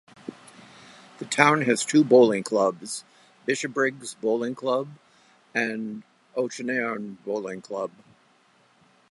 The town has two bowling clubs; Bishopbriggs Bowling Club and Auchinairn Bowling Club.